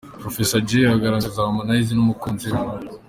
Professor Jay aganiriza Harmoniza n'umukunzi we.